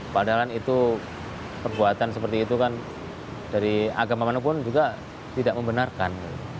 padahal itu perbuatan seperti itu kan dari agama manapun juga tidak membenarkan